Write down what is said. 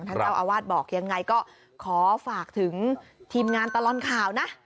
ท่านเจ้าอาวาสบอกยังไงก็ขอฝากถึงทีมงานตลอดข่าวนะ